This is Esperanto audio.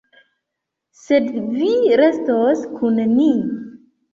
Sed vi restos kun ni.